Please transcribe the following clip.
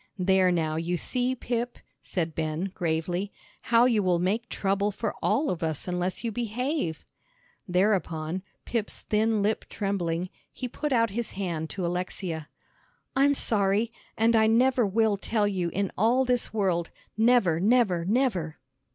"There now, you see, Pip," said Ben, gravely, "how you will make trouble for all of us unless you behave." Thereupon, Pip's thin lip trembling, he put out his hand to Alexia. "I'm sorry, and I never will tell you in all this world, never, never, never!"